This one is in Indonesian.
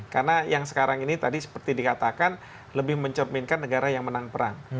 karena yang sekarang ini tadi seperti dikatakan lebih mencerminkan negara yang menang perang